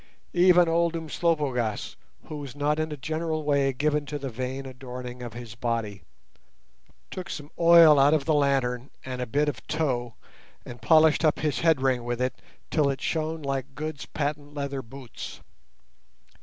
Even old Umslopogaas, who was not in a general way given to the vain adorning of his body, took some oil out of the lantern and a bit of tow, and polished up his head ring with it till it shone like Good's patent leather boots.